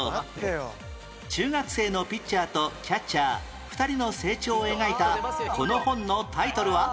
中学生のピッチャーとキャッチャー２人の成長を描いたこの本のタイトルは？